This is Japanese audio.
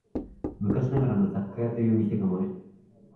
昔ながらの雑貨屋という店構え